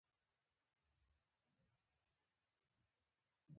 تر دیوالۍ دوې ګوتې سر لوړ کړه.